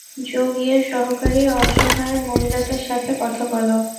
জো, গিয়ে সহকারী অসহায় মহিলাটার সাথে কথা বল।